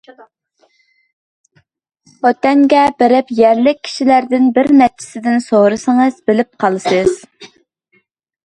خوتەنگە بېرىپ يەرلىك كىشىلەردىن بىر نەچچىسىدىن سورىسىڭىزلا بىلىپ قالىسىز.